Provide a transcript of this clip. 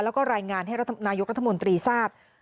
แล้วก็รายงานให้นายกรัฐมนตรีทราบ